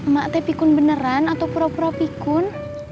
mak tapi pikun beneran atau pura pura pikun